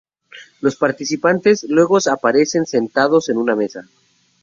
Los participantes luego aparecen sentados en una mesa.